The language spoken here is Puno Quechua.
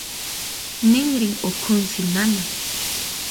Ninrin ukhunsi nanan.